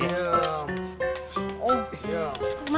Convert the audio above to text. udah tenang aja